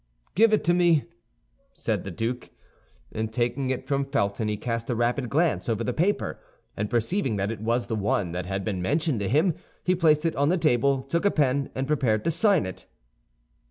"Give it to me," said the duke. And taking it from Felton, he cast a rapid glance over the paper, and perceiving that it was the one that had been mentioned to him, he placed it on the table, took a pen, and prepared to sign it.